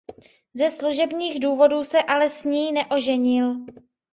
Ze služebních důvodů se ale s ní neoženil.